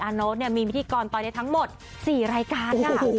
โน๊ตมีพิธีกรตอนนี้ทั้งหมด๔รายการค่ะ